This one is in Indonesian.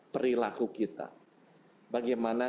perilaku kita bagaimana